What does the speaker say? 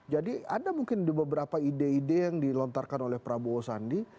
jadi ada mungkin beberapa ide ide yang dilontarkan oleh prabowo sandi